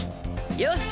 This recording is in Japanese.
よし！